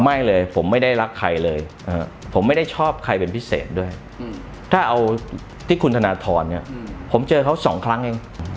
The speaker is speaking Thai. ไม่เลยผมไม่ได้รักใครเลยผมไม่ได้ชอบใครเป็นพิเศษด้วยถ้าเอาที่คุณธนทรเนี่ยผมเจอเขาสองครั้งเอง